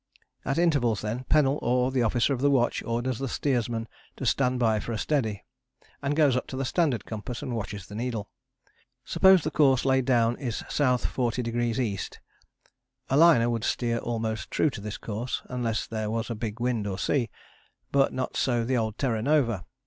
At intervals, then, Pennell or the officer of the watch orders the steersman to "Stand by for a steady," and goes up to the standard compass, and watches the needle. Suppose the course laid down is S. 40 E. A liner would steer almost true to this course unless there was a big wind or sea. But not so the old Terra Nova.